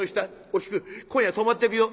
「お菊今夜泊まってくよ」。